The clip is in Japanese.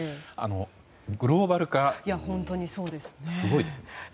グローバル化、すごいですね。